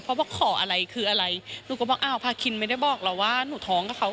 เพราะว่าขออะไรคืออะไรหนูก็บอกอ้าวพาคินไม่ได้บอกเราว่าหนูท้องกับเขา